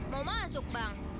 mau masuk bang